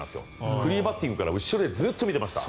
フリーバッティングから後ろでずっと見てました。